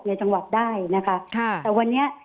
ในจังหวัดได้นะคะค่ะแต่วันนี้